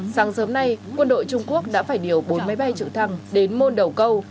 sáng sớm nay quân đội trung quốc đã phải điều bốn máy bay trực thăng đến môn đầu câu